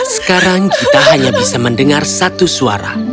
sekarang kita hanya bisa mendengar satu suara